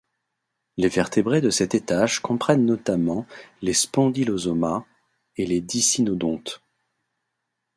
Les vertébrés de cet étage comprennent notamment les Spondylosoma et les Dicynodontes.